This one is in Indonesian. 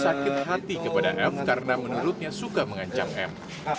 sakit hati kepada f karena menurutnya suka mengancam m